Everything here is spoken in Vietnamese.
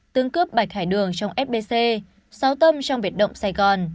tương cướp bạch hải đường trong fbc sáu tâm trong việt động sài gòn